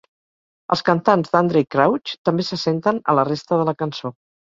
Els cantants d'Andrae Crouch també se senten a la resta de la cançó.